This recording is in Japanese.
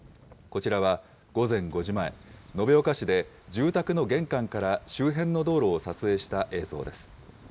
こちらは午前５時前、延岡市で住宅の玄関から周辺の道路を撮影した映像です。